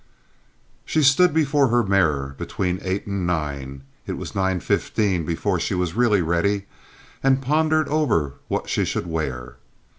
She had stood before her mirror between eight and nine—it was nine fifteen before she was really ready—and pondered over what she should wear.